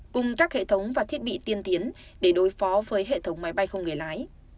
cùng các hệ thống và thiết bị tiên tiến để đối phó với hệ thống máy bay không người lái